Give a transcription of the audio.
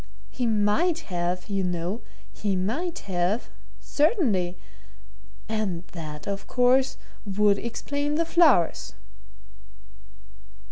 He might have, you know, he might have certainly! And that, of course, would explain the flowers."